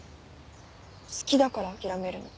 好きだから諦めるの。